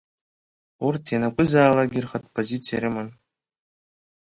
Урҭ ианакәызаалакгьы рхатәы позициа рыман.